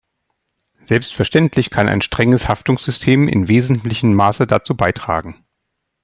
Selbstverständlich kann ein strenges Haftungssystem in wesentlichem Maße dazu beitragen.